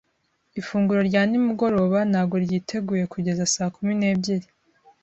Ifunguro rya nimugoroba ntabwo ryiteguye kugeza saa kumi n'ebyiri.